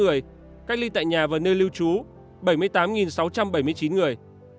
hai mươi bốn chín trăm bốn mươi tám người cách ly tại nhà và nơi lưu trú bảy mươi tám sáu trăm bảy mươi chín người